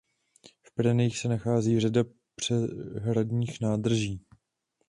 V Pyrenejích se nachází řada přehradních nádrží.